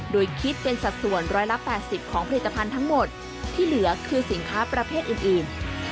โดยคิดเป็นสัดส่วนร้อยละแปดสิบของผลิตภัณฑ์ทั้งหมดที่เหลือคือสินค้าประเภทอื่นอื่น